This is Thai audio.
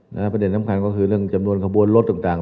ประเด็นสำคัญก็คือเรื่องจำนวนขบวนรถต่าง